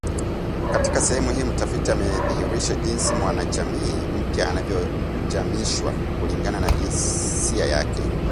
Katika sehemu hii mtafiti amedhihirisha jinsi mwanajamii mpya anavyojamiishwa kulingana na jinsia yake